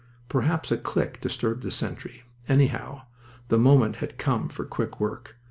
Perhaps a click disturbed the sentry. Anyhow, the moment had come for quick work.